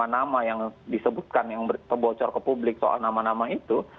nama yang disebutkan yang terbocor ke publik soal nama nama itu